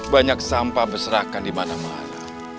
banyak sampah berserakan di mana mana